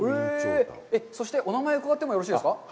そして、お名前を伺ってもよろしいですか。